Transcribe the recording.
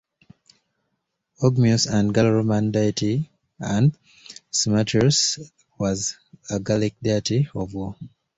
Ogmios was a Gallo-Roman deity and Smertrios was a Gallic deity of war.